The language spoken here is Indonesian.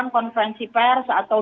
itu tentu kita hargai